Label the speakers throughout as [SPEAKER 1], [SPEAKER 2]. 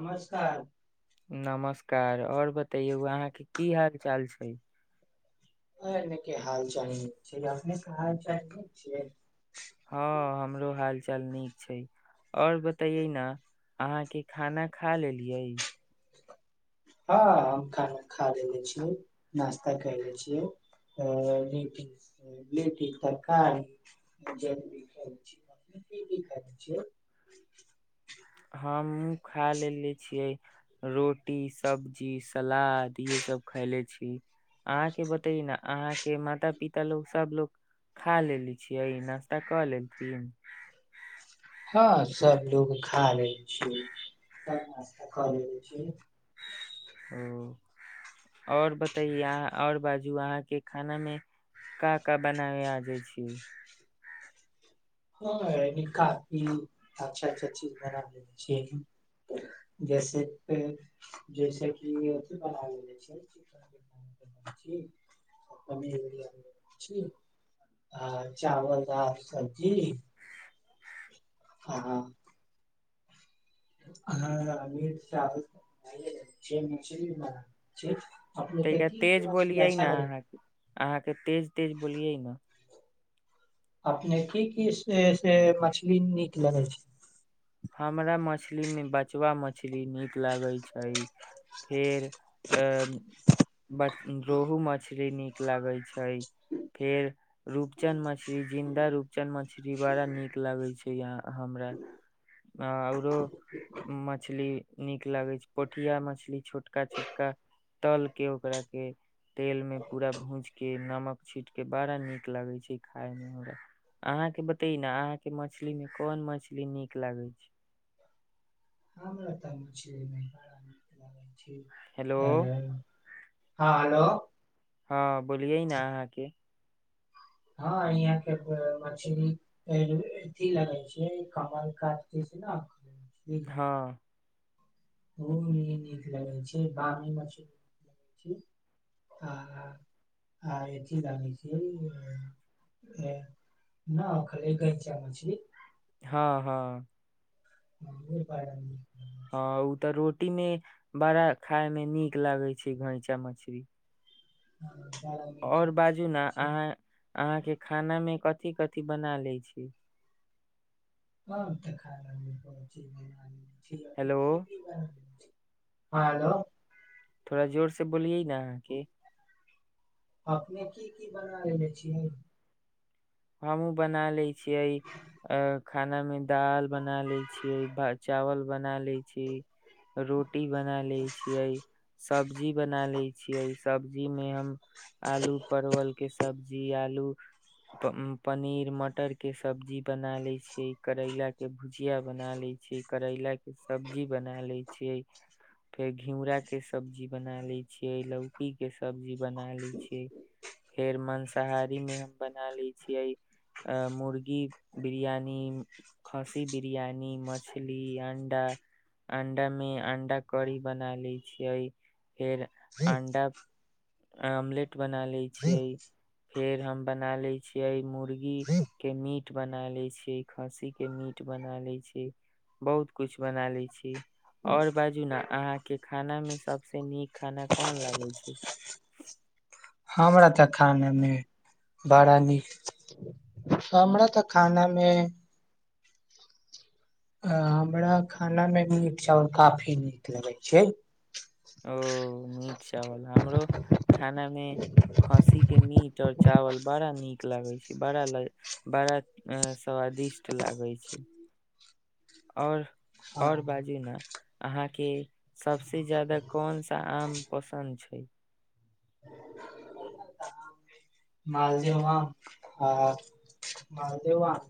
[SPEAKER 1] नमस्कार
[SPEAKER 2] नमस्कार और बतैयौ अहाँके की हाल चाल छैय?
[SPEAKER 1] ने क हाल चाल निक छैय अपने हाल चाल निक छैय?
[SPEAKER 2] हँ हमरो हाल चाल नीक छैय आओर बतयै ने अहाँके खाना खा लेलियै?
[SPEAKER 1] हँ हम खाना खा लेले छियै नास्ता करे छियैेे अ लिट्टी तरकारी
[SPEAKER 2] हम खा लेले छियै। रोटी सब्जी सलाद इहे सब खयले छी अहाँके बतै ने अहाँके माता पिता लोको सभलो खा लेलेे छियै नाश्ता कऽ लेलथिन?
[SPEAKER 1] हँ सब लोग खा लै छैय सब नाश्ता करै छी।
[SPEAKER 2] ओ आओर बतैए अहां आओर बाजू अहाँके खानामे का का बनाबै आ जाइ छी?
[SPEAKER 1] ह काफी अच्छा अच्छा चीज बना लय छी जैसे जैस की पनीर आ चावल दाल सब जी हँ हँ ह मिट चावल सब [unintelligible]
[SPEAKER 2] तयका तेज बोलियै ने अहाँ अहाँके तेज तेज बोलियै ने।
[SPEAKER 1] अपनेके की की से से मछली नीक लगै छैय?
[SPEAKER 2] हमरा मछलीमे बचवा मछली नीक लगैत छैय फेर ब रोहू मछली नीक लगैत छैय फेर रूपचन्द मछली जिन्दा रूपचन्द मछली बड़ा नीक लगैत छैहाँ हमरा। आ आऔरो मछली नीक लागैत छैय पोठिया मछली छोटका छोटका तलके ओकराके तेलमे पूरा भूजि के नमक छीटके बड़ा नीक लगैत छैय खायमे हमरा अहाँके बतै ने अहाँके मछलीमे कोन मछली नीक लागैत छैय?
[SPEAKER 1] हमरा त मछली निक लगय या। छी
[SPEAKER 2] हेलो
[SPEAKER 1] आ हॅ हेलो
[SPEAKER 2] हँ बोलियै ने अहाँके।
[SPEAKER 1] हँ यहाँ के मछरी अथी लगै छैय कमल काट दिश न
[SPEAKER 2] हँ
[SPEAKER 1] ओ नीक लगै छैय बामी मछली आ आ अथी लगय छैय न खाली गैचा मछली।
[SPEAKER 2] हँ हँ
[SPEAKER 1] ह बड़ा निक
[SPEAKER 2] हँ ओ तऽ रो रोटी मे बड़ा खाय मे नीक लागे छै घैंचा मछरी
[SPEAKER 1] बड़ा मीठ
[SPEAKER 2] आओर
[SPEAKER 1] मीठ
[SPEAKER 2] बाजू न
[SPEAKER 1] लगे छै
[SPEAKER 2] अहाँ अहाँ के खाना मे कथि कथि बना ले छियै
[SPEAKER 1] ह तऽ खा रहल छियै
[SPEAKER 2] हेलो
[SPEAKER 1] हँ हेलो
[SPEAKER 2] थोड़ा जोर से बोलियएै ना कि
[SPEAKER 1] अपने की की बना लेबे छियै
[SPEAKER 2] हमहू बना लय छियै अ खाना में दाल बना ले छियै चावल बना ले छियै रोटी बना लै छियै सब्जी बना लै छियै सब्जी मे हम आलू परवल के सब्जी जी आलू फेर मटर के सब्जी बना ले छिये करैला के भुजिया बना ले छीय करैला के सब्जी बना ले छिये फेर घिउरा के सब्जी बना ले छिये लौकी के सब्जी बनाय लय छिये फेर मांसाहारी में हम बन बना ले छियै मुर्गी बिरियानी खस्सी बिरियानी मछली अंडा अंडा मे अंडा करी बना लय छियै फेर अण्डा आमलेट बना लै छियै फेर हम बना ले छियै मुर्गी के मीट मीट बना ले छी खस्सी के मीट बना ले छी बहुत कुछ बना लय छी आओर बाजू ने अहाँ के खाना मे सभस नीक खाना कोन लागै छै
[SPEAKER 1] हमरा तऽ खाना मे बड़ा नीक हमरा तऽ खाना में हमरा खाना मे मीट चावल काफी नीक लगै छै
[SPEAKER 2] ओ मीट चावल हमरो खाना मे खसी के मीट आऔर चावल बड़ा नीक लागे छै बड़ा ल बड़ा स्वादिष्ट लागे छै आओर
[SPEAKER 1] आ,
[SPEAKER 2] आओर बाजु न अहाँ के सभसँ ज्यादा कोन सा आम पसन्द छै
[SPEAKER 1] मालदेव आम मालदेव आम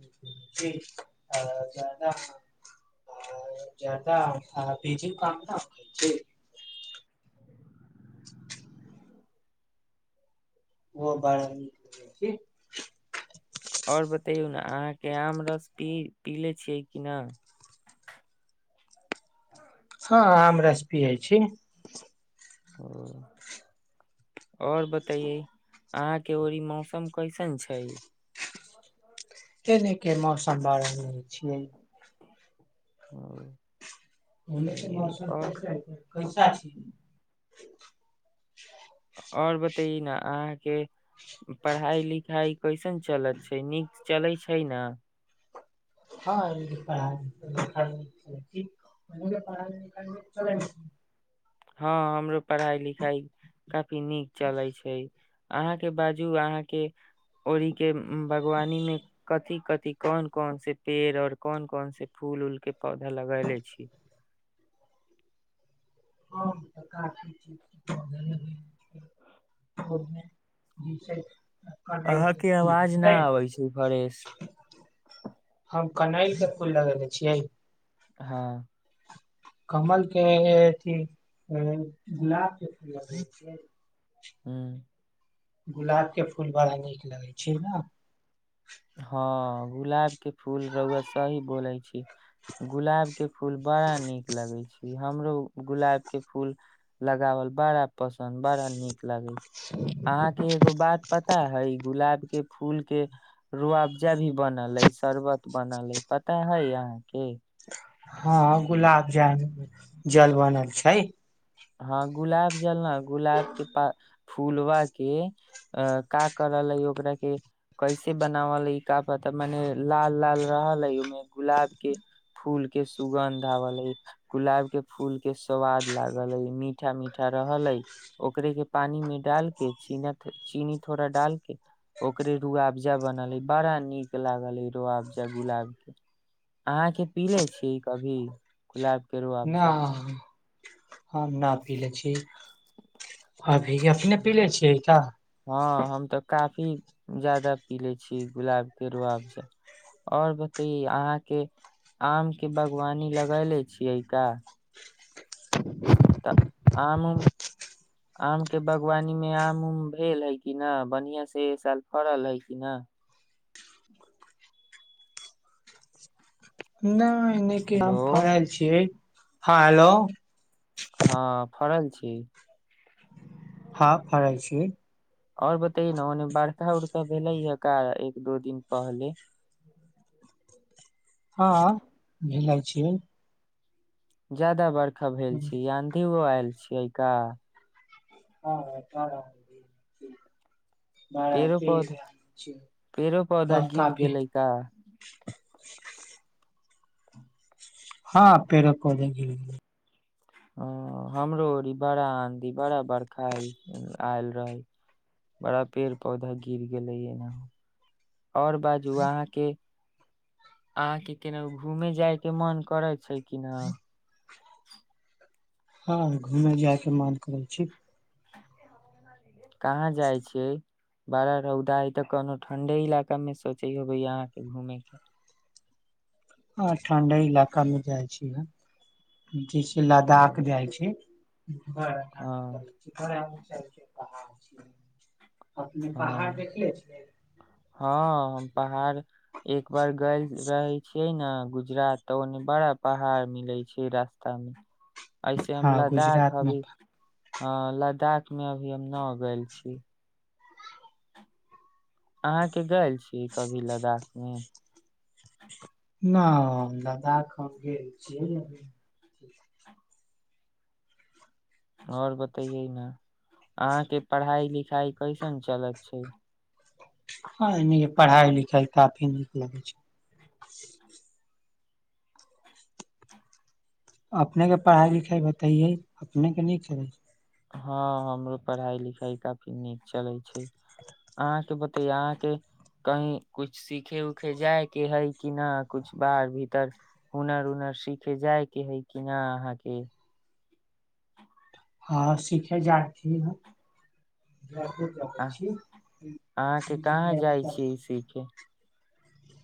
[SPEAKER 1] आ जर्दा आम आ जर्दा आम आ बिजू के आम ना [unintelligible]
[SPEAKER 2] आओर बतैौ ने अहाँके आम रस पीले छियै कि नहि
[SPEAKER 1] हँ आम रास पिये छी
[SPEAKER 2] ओ आओर बतइए अहाँके ओड़ ई मौसम कैसन छै
[SPEAKER 1] की नहि, केहन सम्भव अछि
[SPEAKER 2] ह
[SPEAKER 1] होल मसर कस कैसा छिय
[SPEAKER 2] आओर बतैै ने अहाँके पढ़ाइ लिखाइ कैसन चलैत छै नीक चलैत छै ने
[SPEAKER 1] हँ प [unintelligible]
[SPEAKER 2] हँ हमर पढ़ाई लिखाई काफी नीक चलै छै अहाँक ओहि दिसक बागवानीमे कथी-कथी छै? कोन-कोन गाछ लगौने छी आ कोन-कोन फूलक पौधा लगौने छी? फल-फूल आ तरकारीक पौधो लगौने छी कि नहि? सभटा तनि विस्तार सँ बताउ ने।
[SPEAKER 1] ह त
[SPEAKER 2] अहाँके आवाज न आबै छै फ्रेश
[SPEAKER 1] हम कनैल के फूल लगेेले छियै
[SPEAKER 2] हँ
[SPEAKER 1] कमल के अथ गुलाब के फूल ल
[SPEAKER 2] हँ
[SPEAKER 1] गुलाबके फूल बड़ा नीक लगै छै ने
[SPEAKER 2] हँ, सही कहलहुँ। गुलाबक फूल बड़ नीक लगैत छै। हमरो गुलाबक फूल लगाबय बड़ पसन्द छै। गुलाबक फूल देखयमे सेहो बड़ नीक लगैत छै। ल छै अहाँके एगो बात पता है गुलाब के फूल के रुआवजा भी बनल अइ शरबत बनल अइ पता हइ अहाँके
[SPEAKER 1] हँ गुलाब जामुन जल बनल छै
[SPEAKER 2] हँ गुलाब जलना गुलाब के प फूलवाक की कएल गेल छै? ओकरा केना बनौल गेल छै, किछु पता नहि। मने लाल-लाल रहल छै। ओहिमे गुलाबक फूलक सुगंधो अछि आ गुलाबक फूलक स्वादो लगैत छै। लाल-लाल, मीठ-मीठ रहल। गुलाबक फूलकेँ पानीमे डालि कऽ, थोड़ेक चीनी दऽ कऽ ओकर शरबत रूह अफजा जेकाँ बनौल गेल। बड़ नीक लागल। अहाँ कखनो गुलाबक शरबत पिबने छी के रुआबजा
[SPEAKER 1] नहि हम नहि पिबने छी। अहाँ पिबने छी कि? हम तऽ एखनहि पिबने
[SPEAKER 2] हँ
[SPEAKER 1] छी।
[SPEAKER 2] हम गुलाबक शरबत रूह अफजा काफी बेसी पिबैत छी। आओर बताउ, अहाँक बागवानीमे आमक गाछ लगल अछि कि नहि? तऽ अहाँक आमक बागवानीमे एहि साल आम नीक सँ फलल अछि कि नहि? आमक उपज बढ़िआँ भेल कि नहि?
[SPEAKER 1] नहि नहि क
[SPEAKER 2] हेलो
[SPEAKER 1] आम फराल छियै हँ हेलो
[SPEAKER 2] हँ फड़ल छी
[SPEAKER 1] हँ फराइ छी
[SPEAKER 2] आओर बतैयै न ओने बर्खा उर्खा भेलै ह का एक दो दिन पहले
[SPEAKER 1] हँ भिलइ छिय
[SPEAKER 2] ज्याददा बढ़त भेल छी आधी छियइ का
[SPEAKER 1] हँ चलब
[SPEAKER 2] पेड़ो पौधा पेड़ो पौधा
[SPEAKER 1] बा
[SPEAKER 2] गिर
[SPEAKER 1] काफी
[SPEAKER 2] गेलै का
[SPEAKER 1] हँ पेड़ो पौधा गीर गेलै
[SPEAKER 2] हँ हमरो ओरी बड़ा आँधी बड़ा बर्खा आएल आएल रहै बड़ा पेड़ पौधा गिर गेलै एना आओर बाजू अहाँके अहाँके केनहु घूमे जाय के मन करै छै कि किना
[SPEAKER 1] हँ घूमे जायके मन करै छै
[SPEAKER 2] कहाँ जाइ छियै बड़ा रौदा हइ तऽ कोनो ठंढे इलाका मे सोचै होबै अहाँके घूमे के
[SPEAKER 1] हँ ठण्डे इलाकामे जाइ छियै जैसे
[SPEAKER 2] ओ
[SPEAKER 1] लद्दाख जाइ छी ब ठण्डा
[SPEAKER 2] हँ
[SPEAKER 1] करै छी कर [unintelligible] [inaudible]
[SPEAKER 2] हँ हँ हम पहाड़ एक बार गइल रहै छियै न गुजरात तऽ ओने बड़ा पहाड़ मिलै छै रास्तामे ऐसे हम
[SPEAKER 1] हँ
[SPEAKER 2] लद्दाख
[SPEAKER 1] गुजरात मे
[SPEAKER 2] अभी हँ लद्दाख मे अभी हम न गेल छी अहाँके गैल कभी लद्दाख मे
[SPEAKER 1] न लद्दाख हम गेल छियै
[SPEAKER 2] आओर बतैयै न अहाँके पढ़ाइ लिखाइ कैसन चलैत छै
[SPEAKER 1] हँ एनी पढ़ाइ लिखाइ काफी नीक लगै छै अपनेके पढ़ाइ लिखाइ बतैयै अपनेके नीक चलै छै
[SPEAKER 2] हँ हमरो पढ़ाई लिखाई काफी नीक चलै छै अहाँके बतेयौ अहाँके कही कुछ सीखे उखे जाय के हइ कि न कुछ बार भीतर हुनर उनर सिखे जाय के हइ कि न अहाँके
[SPEAKER 1] हँ सिखे जाथि हम जनै
[SPEAKER 2] आ-
[SPEAKER 1] छी
[SPEAKER 2] अहाँ के कहाँ
[SPEAKER 1] इंजिनियरिंग
[SPEAKER 2] जाइ
[SPEAKER 1] करै
[SPEAKER 2] सीखे
[SPEAKER 1] छी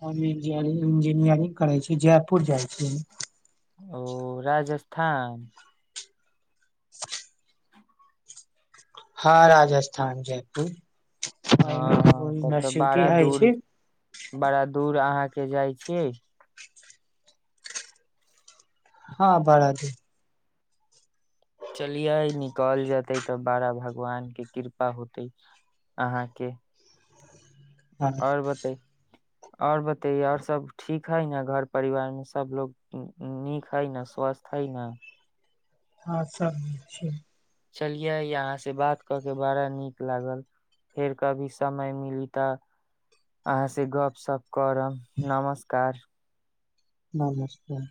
[SPEAKER 1] हम इंजीनियरिंग इंजीनियरिंग करै छी जयपुर जाइ छी
[SPEAKER 2] ओ राजस्थान
[SPEAKER 1] हँ राजस्थान जयपुर
[SPEAKER 2] हँ तब तऽ
[SPEAKER 1] यूनिवर्सिटी हय
[SPEAKER 2] बाड़ादूर
[SPEAKER 1] छै
[SPEAKER 2] बड़ादूर अहाँके जाइ छियै
[SPEAKER 1] हँ बड़ा दुर
[SPEAKER 2] चलियै निकल जेतै तऽ बारा भगवानके कृपा होतै अहाँके
[SPEAKER 1] हँ
[SPEAKER 2] आओर बताैय आओर बतेयै आओर सब ठीक हइ न घर परिवार मे सभलोग नीक हइ न स्वस्थ हइ न
[SPEAKER 1] हँ सभ नीक छै
[SPEAKER 2] चलियै अहाँ से बात कऽ के बड़ा नीक लागल फेर कभी समय मिली तऽ अहाँ से गप सप करम नमस्कार
[SPEAKER 1] नमस्ते